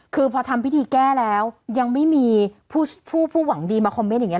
คือพอทำพิธีแก้แล้วยังไม่มีผู้หวังดีมาคอมเมนต์อย่างนี้